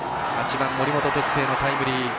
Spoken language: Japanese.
８番、森本哲星のタイムリー。